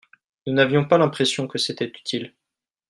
nous n'avions pas l'impression que c'était utile.